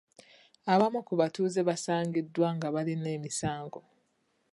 Abamu ku batuuze baasangiddwa nga balina emisango.